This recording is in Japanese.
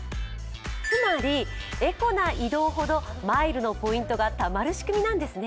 つまりエコな移動ほどマイルのポイントがたまる仕組みなんですね。